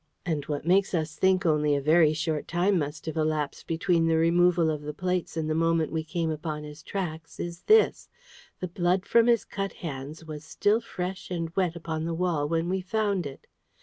And what makes us think only a very short time must have elapsed between the removal of the plates and the moment we came upon his tracks is this the blood from his cut hands was still fresh and wet upon the wall when we found it."